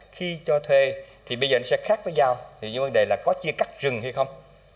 khi cho thuê thì bây giờ sẽ khác với giao nhưng vấn đề là có chia cắt rừng hay không